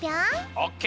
オッケー！